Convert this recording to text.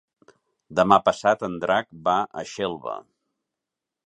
Demà passat en Drac va a Xelva.